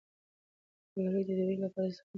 ګلالۍ د ډوډۍ لپاره دسترخوان هوار کړ.